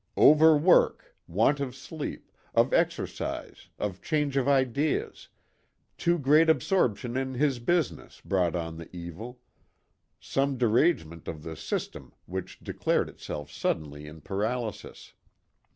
" Overwork," want of sleep, of ex ercise, of change of ideas, too great absorption in his business, brought on the evil some de rangement of the system which declared itself 172 THE GOOD SAMARITAN. suddenly in paralysis.